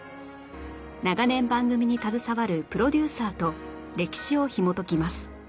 長年番組に携わるプロデューサーと歴史をひもときます